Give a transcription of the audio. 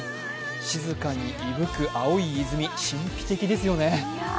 静かに息吹く青い泉、神秘的ですよね。